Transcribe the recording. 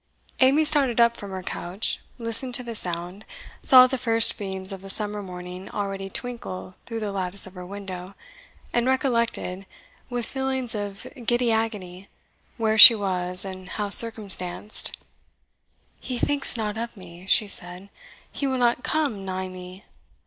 Amy started up from her couch, listened to the sound, saw the first beams of the summer morning already twinkle through the lattice of her window, and recollected, with feelings of giddy agony, where she was, and how circumstanced. "He thinks not of me," she said; "he will not come nigh me!